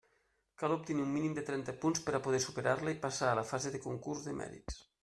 Cal obtenir un mínim de trenta punts per a poder superar-la i passar a la fase de concurs de mèrits.